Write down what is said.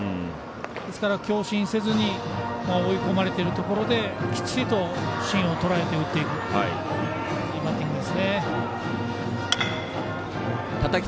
ですから、強振せずに追い込まれているところできっちりと芯をとらえて打っていくいいバッティングですね。